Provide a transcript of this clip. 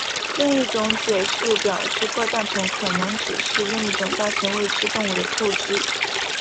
另一种解释表示怪诞虫可能只是另一种大型未知动物的附肢。